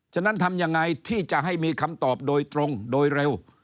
ฉะนั้นทำยังไงที่จะให้มีคำตอบโดยตรงโดยเร็ว